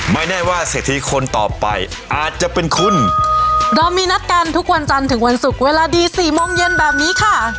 ไม่แน่ว่าเศรษฐีคนต่อไปอาจจะเป็นคุณเรามีนัดกันทุกวันจันทร์ถึงวันศุกร์เวลาดีสี่โมงเย็นแบบนี้ค่ะ